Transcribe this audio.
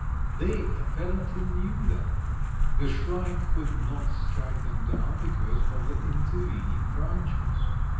They apparently knew that; the shrike could not strike them down because of the intervening branches.